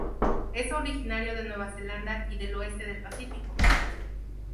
Es originario de Nueva Zelanda y del oeste del Pacífico.